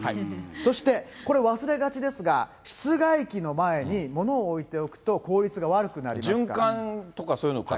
そして、これ、忘れがちですが、室外機の前に物を置いておくと、効率が悪くなりますから。